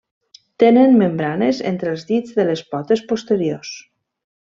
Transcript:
Tenen membranes entre els dits de les potes posteriors.